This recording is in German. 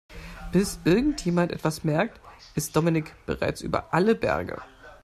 Bis irgendjemand etwas merkt, ist Dominik bereits über alle Berge.